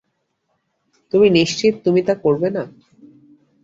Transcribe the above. তুমি নিশ্চিত তুমি তা করবে না?